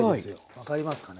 分かりますかね